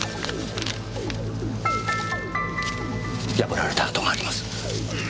破られた跡があります。